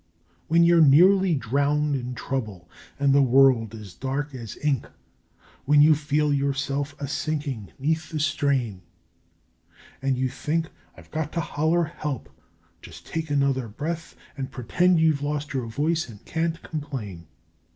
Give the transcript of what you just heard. When you're nearly drowned in trouble, and the world is dark as ink; When you feel yourself a sinking 'neath the strain, And you think, "I've got to holler 'Help!'" just take another breath And pretend you've lost your voice and can't complain!